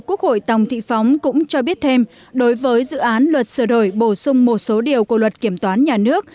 quốc hội tòng thị phóng cũng cho biết thêm đối với dự án luật sửa đổi bổ sung một số điều của luật kiểm toán nhà nước